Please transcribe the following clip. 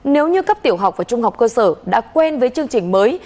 nếu như cấp tiểu học và trung học cơ sở đã quen với chương trình mới